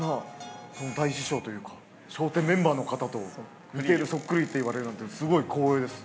大師匠というか、笑点メンバーの方と似ている、そっくりといわれるなんて、すごい光栄です。